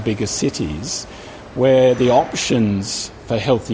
di mana pilihan untuk diet sehat